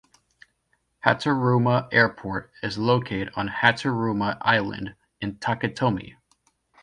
Hateruma Airport is located on Hateruma Island in Taketomi.